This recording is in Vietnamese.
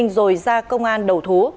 rồi ra công an đầu thú